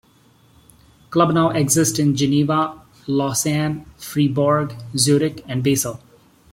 Clubs now exist in Geneva, Lausanne, Fribourg, Zurich and Basel.